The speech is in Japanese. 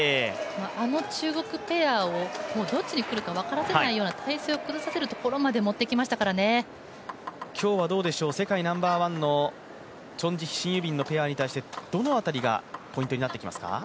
あの中国ペアをどっちにくるか分からせないような体勢を崩させるところまで今日は世界ナンバーワンのチョン・ジヒ、シン・ユビンペアに対して、どの辺りがポイントになってきますか。